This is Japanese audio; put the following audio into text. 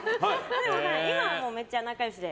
今はもうめっちゃ仲良しで。